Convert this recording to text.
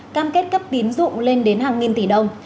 cam kết cấp tín dụng lên đến hàng nghìn tỷ đồng